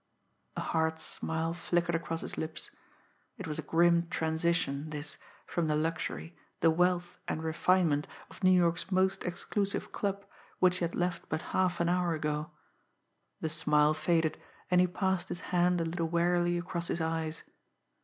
A hard smile flickered across his lips. It was a grim transition, this, from the luxury, the wealth and refinement of New York's most exclusive club, which he had left but half an hour ago! The smile faded, and he passed his hand a little wearily across his eyes.